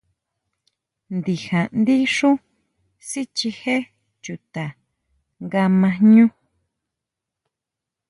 Ndija ndí xú sichijé chuta nga ma jñú.